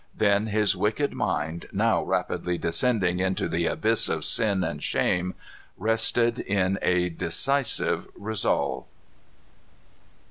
Then his wicked mind, now rapidly descending into the abyss of sin and shame, rested in a decisive resolve.